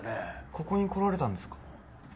ここに来られたんですか？